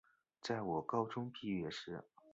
在我高中毕业时